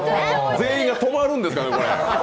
全員が止まるんですからね。